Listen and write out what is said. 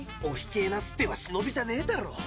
「おひけえなすって」はしのびじゃねえだろ。